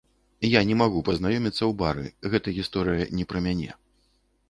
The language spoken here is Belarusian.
Я не магу пазнаёміцца ў бары, гэта гісторыя не пра мяне.